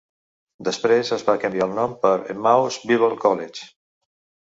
Després es va canviar el nom per Emmaus Bible College.